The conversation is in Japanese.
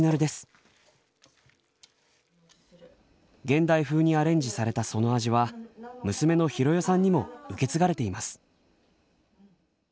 現代風にアレンジされたその味は娘の浩代さんにも受け継がれています。